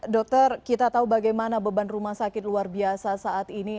dokter kita tahu bagaimana beban rumah sakit luar biasa saat ini